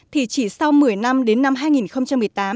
thì chỉ sau một mươi năm đến năm hai nghìn một mươi tám